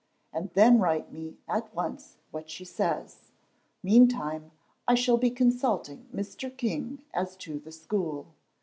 "And then write me at once what she says. Meantime, I shall be consulting Mr. King as to the school.